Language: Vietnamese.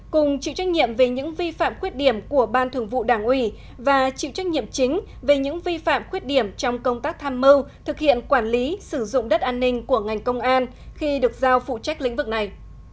cùng chịu trách nhiệm về những vi phạm khuyết điểm của ban thường vụ đảng ủy và chịu trách nhiệm chính về những vi phạm khuyết điểm trong công tác tham mưu thực hiện quản lý sử dụng đất an ninh của ngành công an khi được giao phụ trách lĩnh vực này